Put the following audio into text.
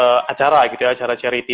ada acara gitu ya acara charity